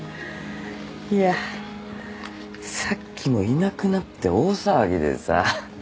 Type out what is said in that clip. いやさっきもいなくなって大騒ぎでさ。